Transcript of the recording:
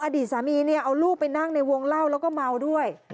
อดีตสามีเนี่ยเอาลูกไปนั่งในวงเล่าแล้วก็เมาด้วย